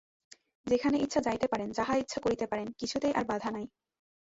যেখানে ইচ্ছা যাইতে পারেন, যাহা ইচ্ছা করিতে পারেন, কিছুতেই আর বাধা নাই।